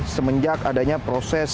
semenjak adanya metro mini